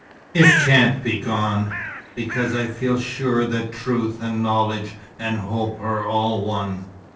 It can't be gone, because I feel sure that truth and knowledge and hope are all one."